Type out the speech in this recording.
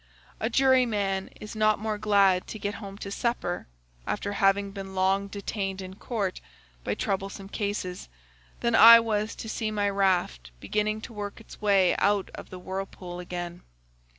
A jury man is not more glad to get home to supper, after having been long detained in court by troublesome cases, than I was to see my raft beginning to work its way out of the whirlpool again.